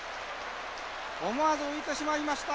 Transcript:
思わず浮いてしまいました。